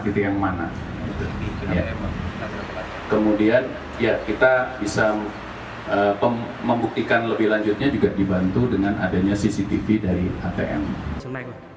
terima kasih kita bisa membuktikan lebih lanjutnya juga dibantu dengan adanya cctv dari atm